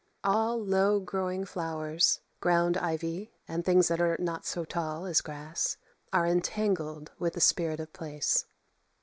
All low growing flowers ground ivy, and things that are not so tall as grass are entangled with the spirit of place.